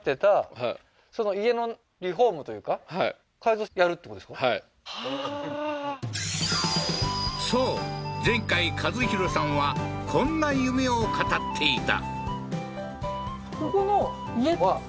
床を剥ぐってはあーそう前回和宏さんはこんな夢を語っていた